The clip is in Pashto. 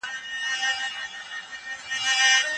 ولي هڅاند سړی د مستحق سړي په پرتله لوړ مقام نیسي؟